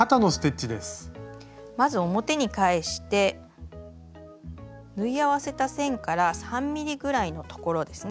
まず表に返して縫い合わせた線から３ｍｍぐらいのところですね